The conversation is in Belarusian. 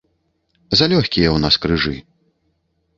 Залёгкія ў нас крыжы.